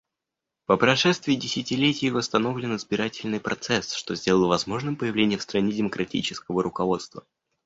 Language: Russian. По прошествии десятилетий восстановлен избирательный процесс, что сделало возможным появление в стране демократического руководства.